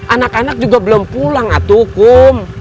anak anak juga belum pulang atu kum